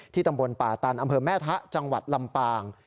ตำบลป่าตันอำเภอแม่ทะจังหวัดลำปาง